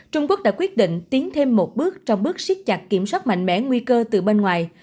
trung quốc đã quyết định tiến thêm một bước trong bước siết chặt kiểm soát mạnh mẽ nguy cơ từ bên ngoài